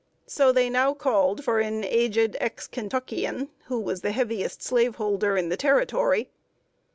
So they now called for an aged ex Kentuckian, who was the heaviest slaveholder in the Territory.